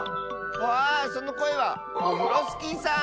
ああそのこえはオフロスキーさん！